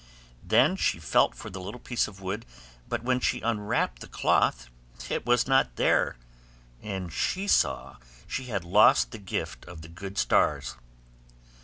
Then she felt for the little piece of wood; but when she unwrapped the cloth it was not there, and she saw she had lost the gift of the good stars.